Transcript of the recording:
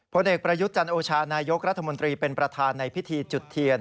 ผลเอกประยุทธ์จันโอชานายกรัฐมนตรีเป็นประธานในพิธีจุดเทียน